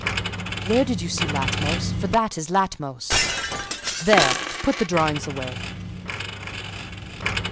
Where did you see Latmos? For that is Latmos. There! put the drawings away!"